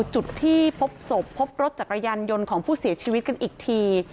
จุดที่พบศพพบรถจักรยานยนต์ของผู้เสียชีวิตกันอีกที